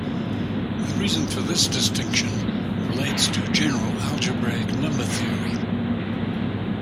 The reason for this distinction relates to general algebraic number theory.